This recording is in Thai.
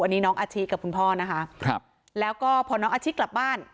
อันนี้น้องอาชิกับคุณพ่อนะคะครับแล้วก็พอน้องอาชิกลับบ้าน